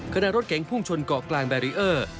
ขณะรถเก๋งพุ่งชนเกาะกลางแบรีเออร์